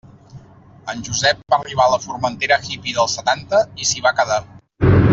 En Josep va arribar a la Formentera hippy dels setanta i s'hi va quedar.